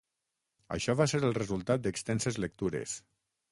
Això va ser el resultat d'extenses lectures.